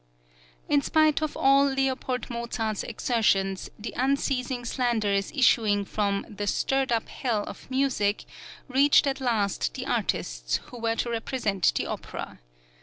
In spite of all L. Mozart's exertions the unceasing slanders issuing from "the stirred up hell of music" reached at last the artists who were to represent the opera.